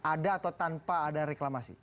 ada atau tanpa ada reklamasi